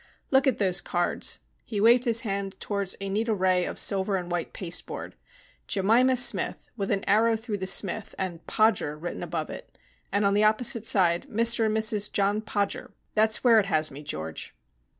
"Look at those cards." He waved his hand towards a neat array of silver and white pasteboard. "'Jemima Smith,' with an arrow through the Smith, and 'Podger' written above it, and on the opposite side 'Mr and Mrs John Podger.' That is where it has me, George."